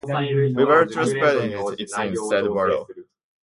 ‘We were trespassing, it seems,’ said Wardle.